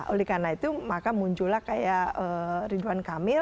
oleh karena itu maka muncullah kayak ridwan kamil